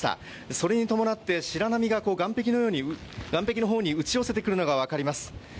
それに伴って白波が岸壁の方に打ち寄せてくるのが分かります。